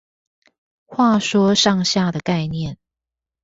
話說上下的概念